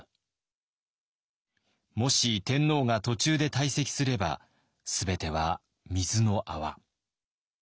もし天皇が途中で退席すれば全ては水の泡。